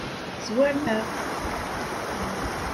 Zwaren-aɣ?